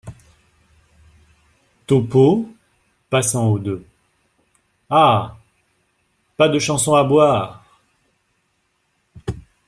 Topeau , passant au deux. — Ah ! pas de chanson à boire !